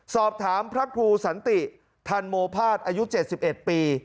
สอบถามพระครูสันติทันโมภาสอายุเจ็ดสิบเอ็ดปี